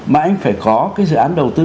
mà anh phải có cái dự án đầu tư